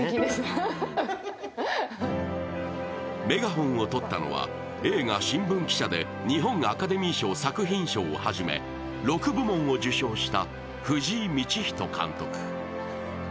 メガホンをとったのは、映画「新聞記者」で日本アカデミー賞作品賞をはじめ６部門を受賞した藤井道人監督。